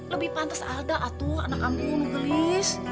lebih pantes alda atau anak amu mugalis